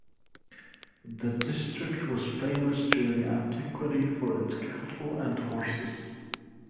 The district was famous during antiquity for its cattle and horses.